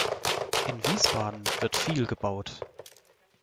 In Wiesbaden wird viel gebaut.